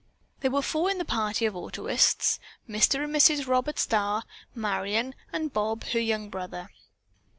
There were four in the party of autoists, Mr. and Mrs. Robert Starr, Marion, and Bob, her young brother.